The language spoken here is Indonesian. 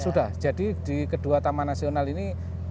sudah jadi di kedua taman nasional ini